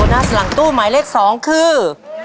หนึ่งหมื่น